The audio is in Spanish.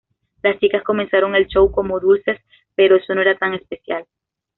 Las chicas comenzaron el show como dulces, pero eso no era tan especial...